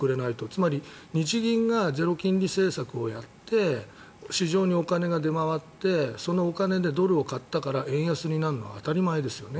つまり日銀がゼロ金利政策をやって市場にお金が出回ってそのお金でドルを買ったから円安になるのは当たり前ですよね。